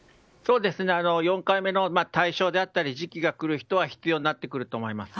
４回目の対象であったり時期が来る人は必要になってくると思います。